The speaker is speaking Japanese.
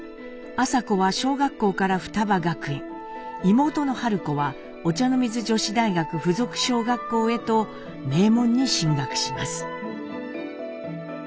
麻子は小学校から雙葉学園妹の子はお茶の水女子大学附属小学校へと名門に進学します。